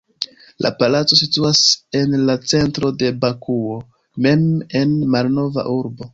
La palaco situas en la centro de Bakuo mem en Malnova urbo.